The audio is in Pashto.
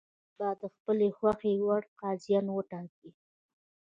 هر حکومت به د خپلې خوښې وړ قاضیان وټاکي.